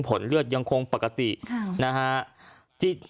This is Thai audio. ผลเลือดยังคงปกตินะฮะ